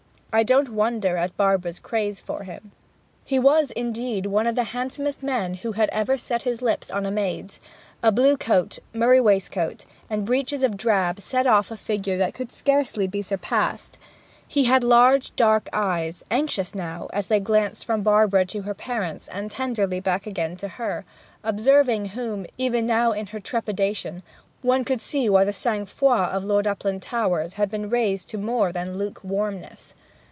'I don't wonder at Barbara's craze for him.' He was, indeed, one of the handsomest men who ever set his lips on a maid's. A blue coat, murrey waistcoat, and breeches of drab set off a figure that could scarcely be surpassed. He had large dark eyes, anxious now, as they glanced from Barbara to her parents and tenderly back again to her; observing whom, even now in her trepidation, one could see why the sang froid of Lord Uplandtowers had been raised to more than lukewarmness.